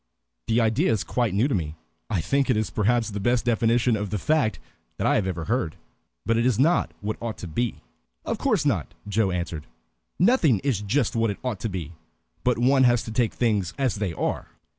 "The idea is quite new to me, I think it is perhaps the best definition of the fact that I ever heard. But it is not what ought to be." "Of course not," Joe answered. "Nothing is just what it ought to be. But one has to take things as they are."